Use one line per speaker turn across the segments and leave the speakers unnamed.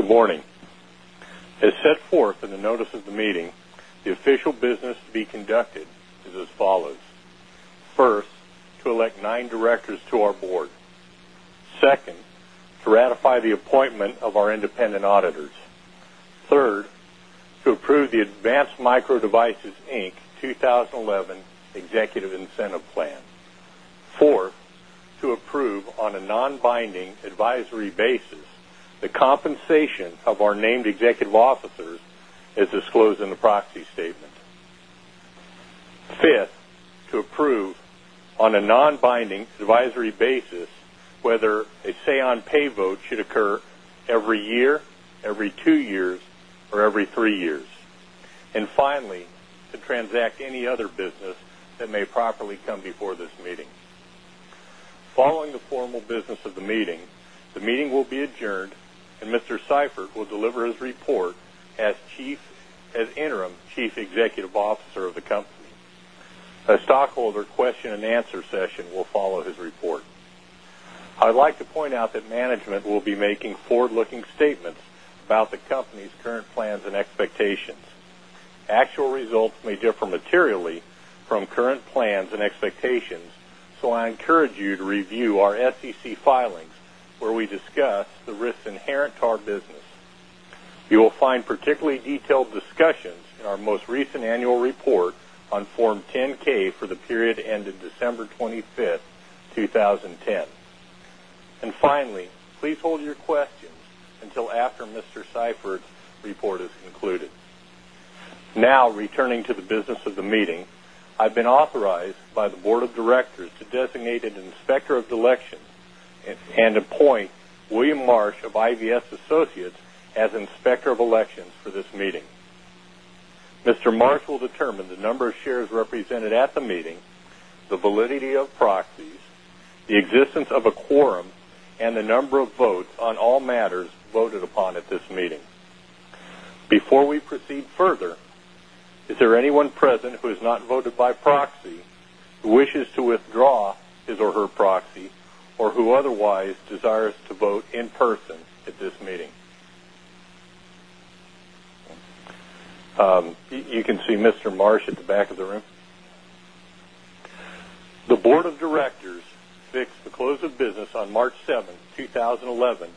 Good morning. As set forth in the notice of the meeting, the official business to be conducted is as follows: first, to elect nine directors to our board; second, to ratify the appointment of our independent auditors; third, to approve the Advanced Micro Devices, Inc. 2011 Executive Incentive Plan; fourth, to approve on a non-binding advisory basis the compensation of our named executive officers as disclosed in the proxy statement; fifth, to approve on a non-binding advisory basis whether a say-on-pay vote should occur every year, every two years, or every three years; and finally, to transact any other business that may properly come before this meeting. Following the formal business of the meeting, the meeting will be adjourned, and Mr. Seifert will deliver his report as Interim Chief Executive Officer of the company. A stockholder question and answer session will follow his report. I'd like to point out that management will be making forward-looking statements about the company's current plans and expectations. Actual results may differ materially from current plans and expectations, so I encourage you to review our SEC filings where we discuss the risks inherent to our business. You will find particularly detailed discussions in our most recent annual report on Form 10-K for the period ending December 25th, 2010. Finally, please hold your questions until after Mr. Seifert's report is concluded. Now, returning to the business of the meeting, I've been authorized by the board of directors to designate an inspector of the elections and appoint William Marsh of IVS Associates as inspector of elections for this meeting. Mr. Marsh will determine the number of shares represented at the meeting, the validity of proxies, the existence of a quorum, and the number of votes on all matters voted upon at this meeting. Before we proceed further, is there anyone present who has not voted by proxy, who wishes to withdraw his or her proxy, or who otherwise desires to vote in person at this meeting? You can see Mr. Marsh at the back of the room. The board of directors fixed the close of business on March 7, 2011,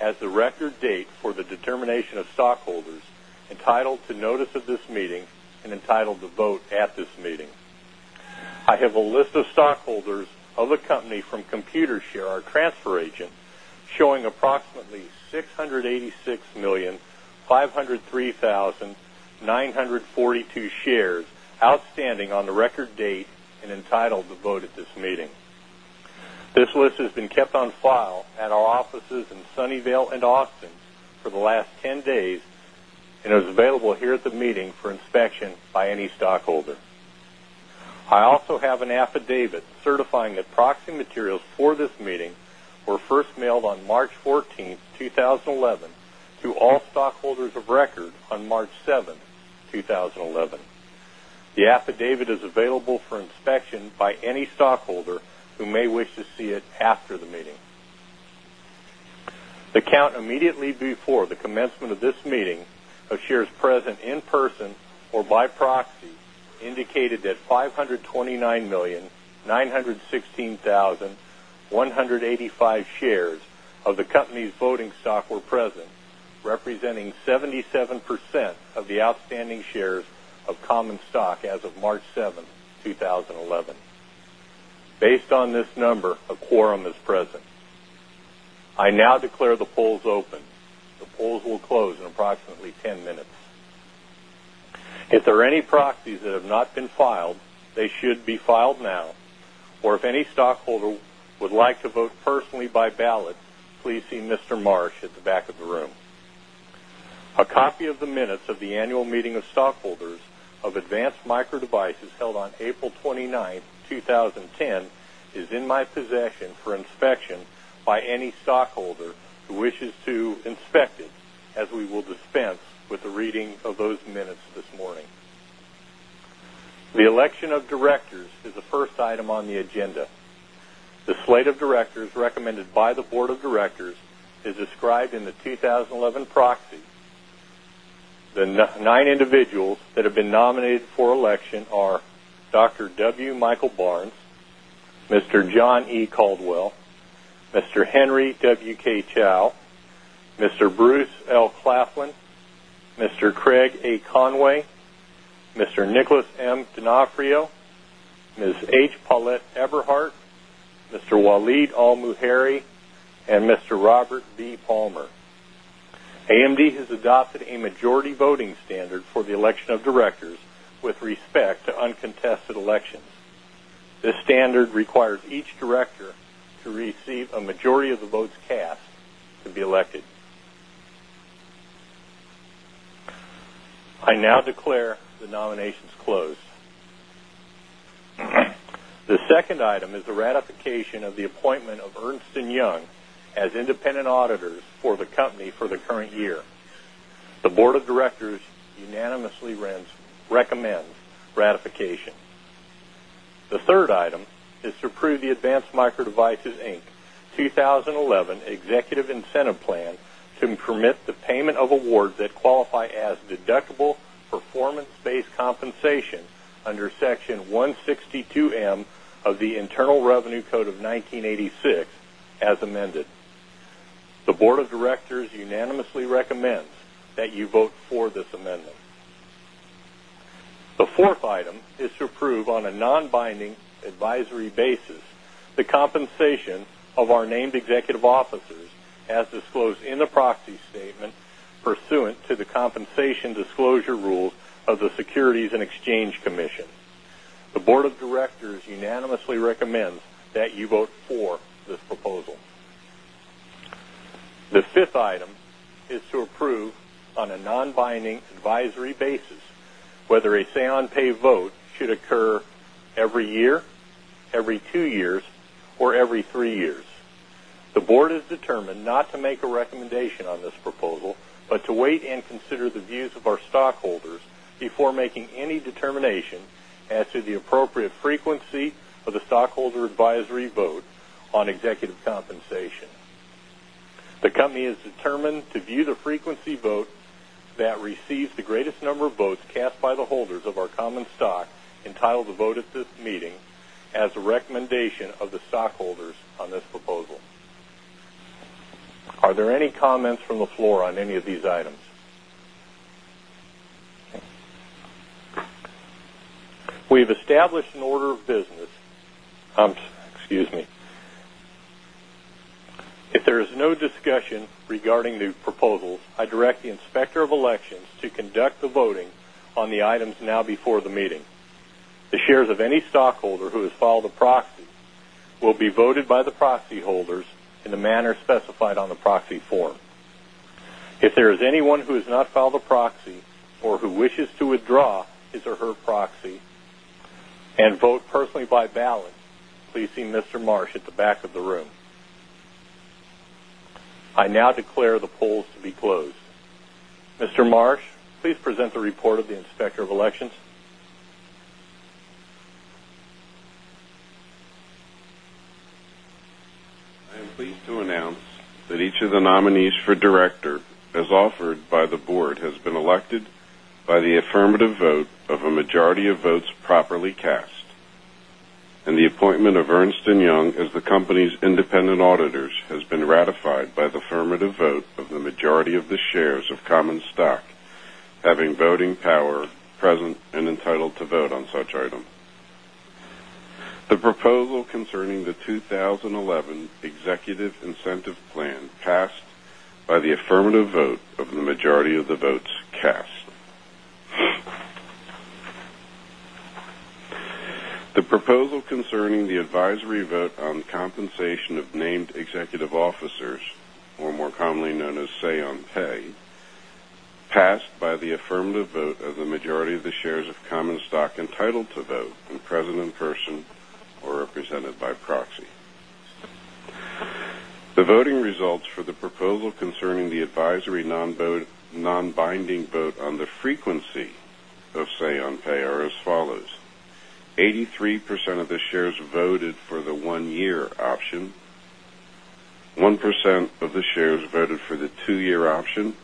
as the record date for the determination of stockholders entitled to notice of this meeting and entitled to vote at this meeting. I have a list of stockholders of the company from Computer Share, our transfer agent, showing approximately 686,503,942 shares outstanding on the record date and entitled to vote at this meeting. This list has been kept on file at our offices in Sunnyvale and Austin for the last 10 days and is available here at the meeting for inspection by any stockholder. I also have an affidavit certifying that proxy materials for this meeting were first mailed on March 14th, 2011, to all stockholders of record on March 7, 2011. The affidavit is available for inspection by any stockholder who may wish to see it after the meeting. The count immediately before the commencement of this meeting of shares present in person or by proxy indicated that 529,916,185 shares of the company's voting stock were present, representing 77% of the outstanding shares of common stock as of March 7, 2011. Based on this number, a quorum is present. I now declare the polls open. The polls will close in approximately 10 minutes. If there are any proxies that have not been filed, they should be filed now. If any stockholder would like to vote personally by ballot, please see Mr. Marsh at the back of the room. A copy of the minutes of the annual meeting of stockholders of Advanced Micro Devices held on April 29th, 2010, is in my possession for inspection by any stockholder who wishes to inspect it, as we will dispense with a reading of those minutes this morning. The election of directors is the first item on the agenda. The slate of directors recommended by the board of directors is as described in the 2011 proxy. The nine individuals that have been nominated for election are Dr. W. Michael Barnes, Mr. John E. Caldwell, Mr. Henry WK Chow, Mr. Bruce L. Claflin, Mr. Craig A. Conway, Mr. Nicholas M. Donofrio, Ms. H. Paulett Eberhart, Mr. Waleed Al Muhairi, and Mr. Robert B. Palmer. AMD has adopted a majority voting standard for the election of directors with respect to uncontested elections. This standard requires each director to receive a majority of the votes cast to be elected. I now declare the nominations closed. The second item is the ratification of the appointment of Ernst & Young as independent auditors for the company for the current year. The board of directors unanimously recommends ratification. The third item is to approve the Advanced Micro Devices, Inc. 2011 Executive Incentive Plan to permit the payment of awards that qualify as deductible performance-based compensation under Section 162(m) of the Internal Revenue Code of 1986 as amended. The board of directors unanimously recommends that you vote for this amendment. The fourth item is to approve on a non-binding advisory basis the compensation of our named executive officers as disclosed in the proxy statement pursuant to the compensation disclosure rule of the Securities and Exchange Commission. The Board of Directors unanimously recommends that you vote for this proposal. The fifth item is to approve on a non-binding advisory basis whether a say-on-pay vote should occur every year, every two years, or every three years. The Board has determined not to make a recommendation on this proposal but to wait and consider the views of our stockholders before making any determination as to the appropriate frequency of the stockholder advisory vote on executive compensation. The company has determined to view the frequency vote that receives the greatest number of votes cast by the holders of our common stock entitled to vote at this meeting as a recommendation of the stockholders on this proposal. Are there any comments from the floor on any of these items? We have established an order of business. If there is no discussion regarding the proposals, I direct the Inspector of Elections to conduct the voting on the items now before the meeting. The shares of any stockholder who has filed a proxy will be voted by the proxy holders in the manner specified on the proxy form. If there is anyone who has not filed a proxy or who wishes to withdraw his or her proxy and vote personally by ballot, please see Mr. Marsh at the back of the room. I now declare the polls to be closed. Mr. Marsh, please present the report of the Inspector of Elections.
I am pleased to announce that each of the nominees for directors as offered by the board has been elected by the affirmative vote of a majority of votes properly cast. The appointment of Ernst & Young as the company's independent auditors has been ratified by the affirmative vote of the majority of the shares of common stock having voting power present and entitled to vote on such item. The proposal concerning the 2011 Executive Incentive Plan passed by the affirmative vote of the majority of the votes cast. The proposal concerning the advisory vote on compensation of named executive officers, or more commonly known as say-on-pay, passed by the affirmative vote of the majority of the shares of common stock entitled to vote and present in person or represented by proxy. The voting results for the proposal concerning the advisory non-binding vote on the frequency of say-on-pay are as follows: 83% of the shares voted for the one-year option, 1% of the shares voted for the two-year option,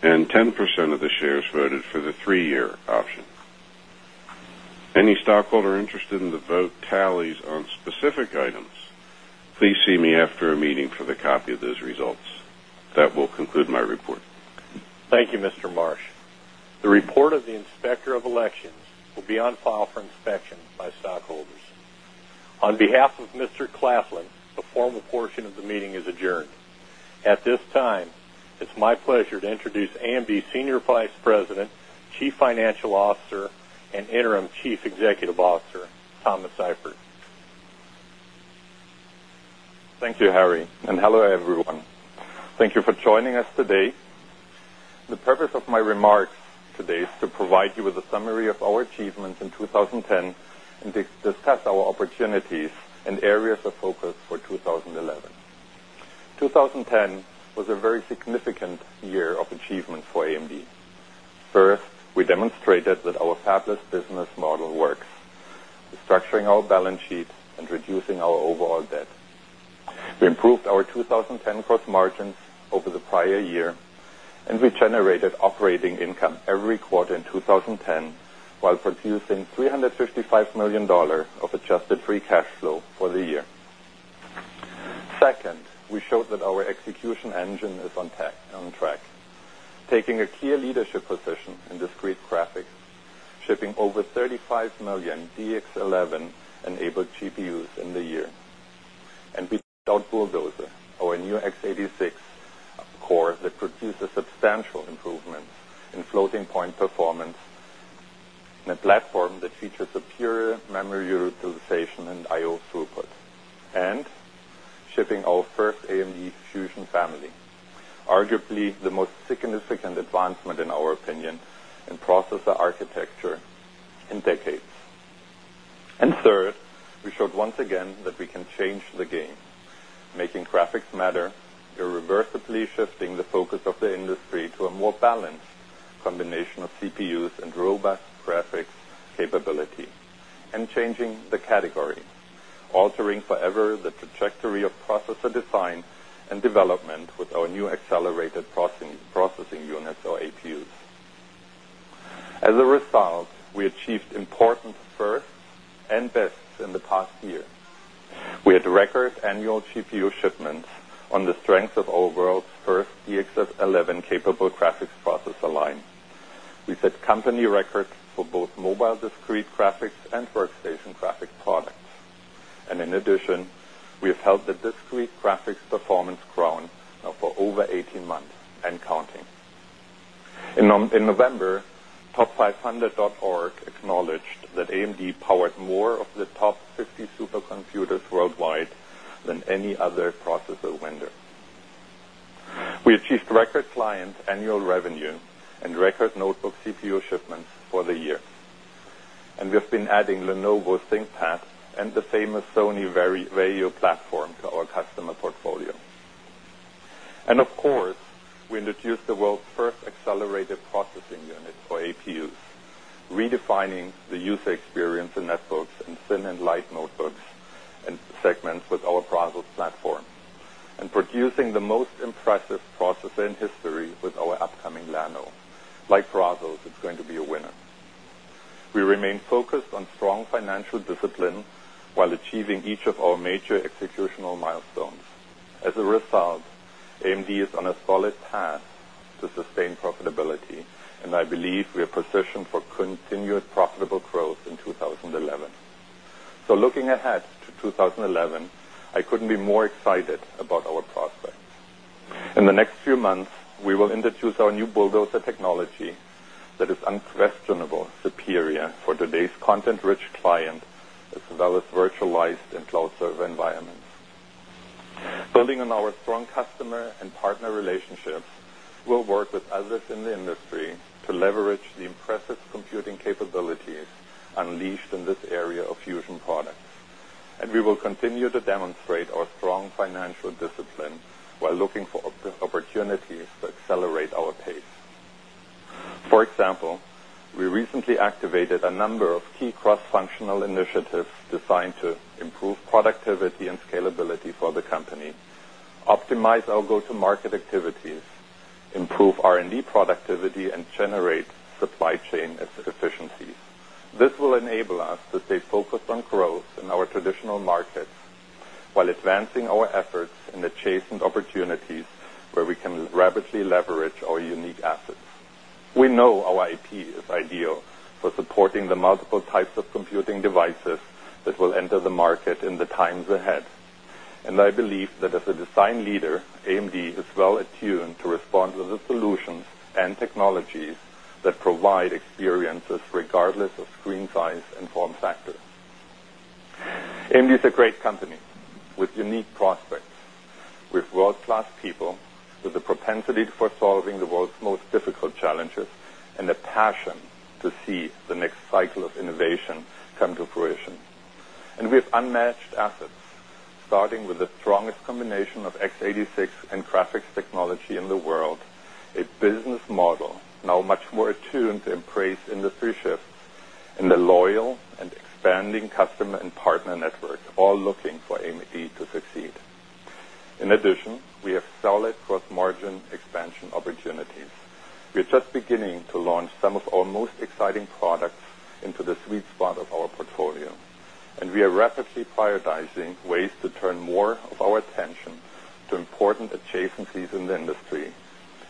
and 10% of the shares voted for the three-year option. Any stockholder interested in the vote tallies on specific items, please see me after the meeting for the copy of those results. That will conclude my report.
Thank you, Mr. Marsh. The report of the inspector of elections will be on file for inspection by stockholders. On behalf of Mr. Claflin, a formal portion of the meeting is adjourned. At this time, it's my pleasure to introduce AMD Senior Vice President, Chief Financial Officer, and Interim Chief Executive Officer, Thomas Seifert.
Thank you, Harry, and hello, everyone. Thank you for joining us today. The purpose of my remarks today is to provide you with a summary of our achievements in 2010 and to discuss our opportunities and areas of focus for 2011. 2010 was a very significant year of achievement for AMD. First, we demonstrated that our fabless business model works, restructuring our balance sheet and reducing our overall debt. We improved our 2010 gross margin over the prior year, and we generated operating income every quarter in 2010 while producing $355 million of adjusted free cash flow for the year. Second, we showed that our execution engine is on track, taking a clear leadership position in discrete graphics, shipping over 35 million DirectX 11-enabled GPUs in the year. We built Bulldozer, our new x86 core that produced a substantial improvement in floating-point performance in a platform that featured secure memory utilization and I/O throughput. We shipped our first AMD Fusion family, arguably the most significant advancement in our opinion in processor architecture in decades. Third, we showed once again that we can change the game, making graphics matter, irreversibly shifting the focus of the industry to a more balanced combination of CPUs and robust graphics capability, and changing the category, altering forever the trajectory of processor design and development with our new Accelerated Processing Units, our APUs. As a result, we achieved important firsts and bests in the past year. We had record annual GPU shipments on the strength of our world's first DirectX 11-capable graphics processor line. We set company records for both mobile discrete graphics and workstation graphics products. In addition, we have held the discrete graphics performance crown for over 18 months and counting. In November, TOP500.org acknowledged that AMD powered more of the top 50 supercomputers worldwide than any other processor vendor. We achieved record client annual revenue and record notebook CPU shipments for the year. We have been adding Lenovo ThinkPad and the famous Sony VAIO platform to our customer portfolio. Of course, we introduced the world's first Accelerated Processing Unit, our APUs, redefining the user experience in networks and thin and light notebooks and segments with our Brazos platform, and producing the most impressive processor in history with our upcoming Llano. Like Brazos, it's going to be a winner. We remain focused on strong financial discipline while achieving each of our major executional milestones. As a result, AMD is on a solid path to sustained profitability, and I believe we are positioned for continuous profitable growth in 2011. Looking ahead to 2011, I couldn't be more excited about our prospects. In the next few months, we will introduce our new Bulldozer technology that is unquestionably superior for today's content-rich client, as well as virtualized and cloud server environments. Building on our strong customer and partner relationships, we'll work with others in the industry to leverage the impressive computing capabilities unleashed in this area of Fusion products. We will continue to demonstrate our strong financial discipline while looking for opportunities to accelerate our pace. For example, we recently activated a number of key cross-functional initiatives designed to improve productivity and scalability for the company, optimize our go-to-market activities, improve R&D productivity, and generate supply chain efficiencies. This will enable us to stay focused on growth in our traditional markets while advancing our efforts in chasing opportunities where we can rapidly leverage our unique assets. We know our IP is ideal for supporting the multiple types of computing devices that will enter the market in the times ahead. I believe that as a design leader, AMD is well-attuned to respond to the solutions and technologies that provide experiences regardless of screen size and form factor. AMD is a great company with unique prospects. We have world-class people with the propensity for solving the world's most difficult challenges and a passion to see the next cycle of innovation come to fruition. We have unmatched assets, starting with the strongest combination of x86 and graphics technology in the world, a business model now much more attuned to embrace industry shifts and a loyal and expanding customer and partner network, all looking for AMD to succeed. In addition, we have solid gross margin expansion opportunities. We are just beginning to launch some of our most exciting products into the sweet spot of our portfolio. We are rapidly prioritizing ways to turn more of our attention to important adjacencies in the industry,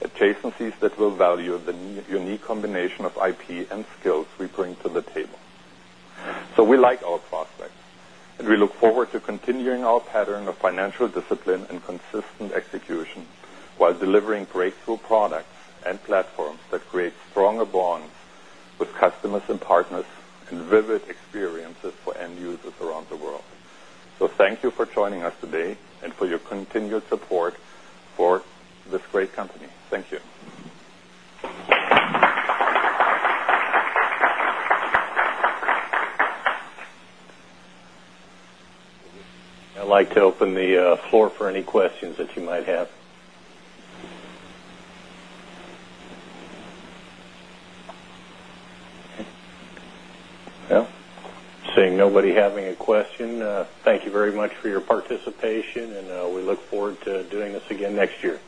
adjacencies that will value the unique combination of IP and skills we bring to the table. We like our prospects, and we look forward to continuing our pattern of financial discipline and consistent execution while delivering breakthrough products and platforms that create stronger bonds with customers and partners and vivid experiences for end users around the world. Thank you for joining us today and for your continued support for this great company. Thank you.
I'd like to open the floor for any questions that you might have. I see nobody having a question. Thank you very much for your participation, and we look forward to doing this again next year.